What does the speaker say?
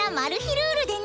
ルールでね